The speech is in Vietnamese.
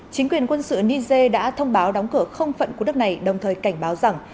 chính quyền quân sự niger đã thông báo đóng cửa không phận của nước này đồng thời cảnh báo rằng